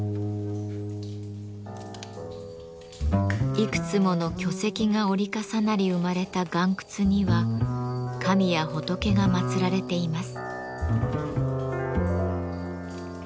いくつもの巨石が折り重なり生まれた岩窟には神や仏が祀られています。